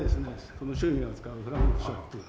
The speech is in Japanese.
この商品を扱うブランドショップ。